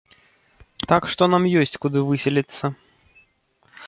Так што нам ёсць куды выселіцца.